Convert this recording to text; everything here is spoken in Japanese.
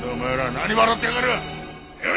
何笑ってやがる！